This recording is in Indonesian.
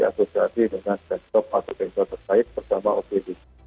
asosiasi dengan desktop atau sensor terkait pertama opd